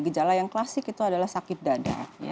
gejala yang klasik itu adalah sakit dada